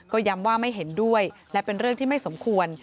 ก็ย้ำว่าไม่เห็นด้วยและเป็นเรื่องที่ไม่สมควร